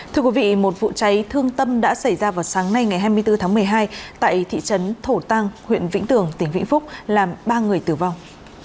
thưa quý vị một vụ cháy thương tâm đã xảy ra vào sáng nay ngày hai mươi bốn tháng một mươi hai tại thị trấn thổ tăng huyện vĩnh tường tỉnh vĩnh phúc làm ba người tử vong